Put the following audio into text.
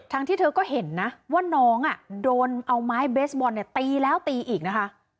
ที่เธอก็เห็นนะว่าน้องโดนเอาไม้เบสบอลเนี่ยตีแล้วตีอีกนะคะ